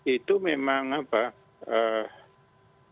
itu memang apa ya harga yang ditetapkan pemerintah itu